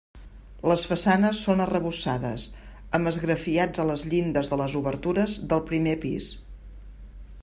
Les façanes són arrebossades, amb esgrafiats a les llindes de les obertures del primer pis.